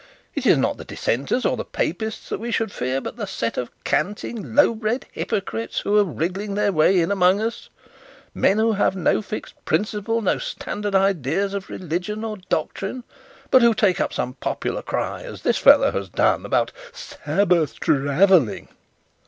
It is not the dissenters or the papists that we should fear, but the set of canting, low bred hypocrites who are wriggling their way in among us; men who have no fixed principle, no standard ideas of religion or doctrine, but who take up some popular cry, as this fellow has done about "Sabbath travelling."'